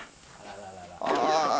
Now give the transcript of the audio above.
ああ。